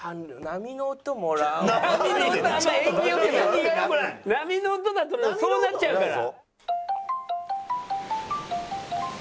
波の音だともうそうなっちゃうから。